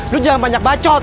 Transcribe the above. lu jangan banyak bacot